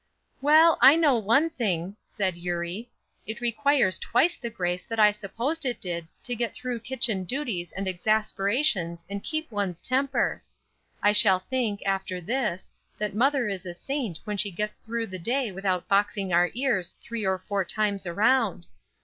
"Well, I know one thing," said Eurie, "it requires twice the grace that I supposed it did to get through with kitchen duties and exasperations and keep one's temper. I shall think, after this, that mother is a saint when she gets through the day without boxing our ears three or four times around.